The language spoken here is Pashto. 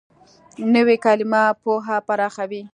نوې کلیمه پوهه پراخوي